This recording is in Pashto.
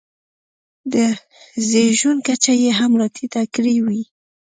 د زېږون کچه یې هم راټیټه کړې وي.